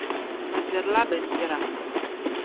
Bɛ dirila bindira.